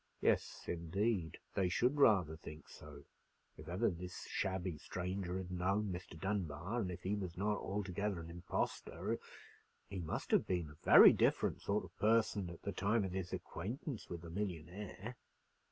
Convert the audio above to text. "Yes, indeed, they should rather think so:—if ever this shabby stranger had known Mr. Dunbar, and if he was not altogether an impostor, he must have been a very different sort of person at the time of his acquaintance with the millionaire."